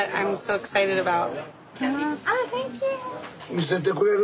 見せてくれる？